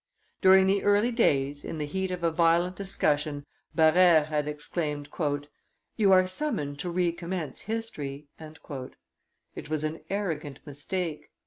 During the early days, in the heat of a violent discussion, Barrere had exclaimed, "You are summoned to recommence history." It was an arrogant mistake.